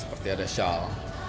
seperti ada shawl